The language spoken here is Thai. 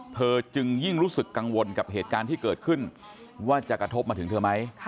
เธอจึงยิ่งรู้สึกกังวลกับเหตุการณ์ที่เกิดขึ้นว่าจะกระทบมาถึงเธอไหม